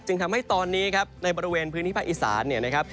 ทำให้ตอนนี้ครับในบริเวณพื้นที่ภาคอีสานเนี่ยนะครับ